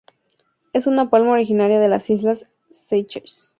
Es una palma originaria de las Islas Seychelles.